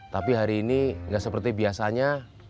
tapi hari ini nggak seperti biasanya